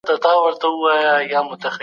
اندورفین ښه احساس رامنځته کوي.